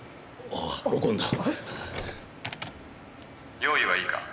用意はいいか？